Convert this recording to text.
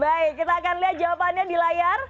baik kita akan lihat jawabannya di layar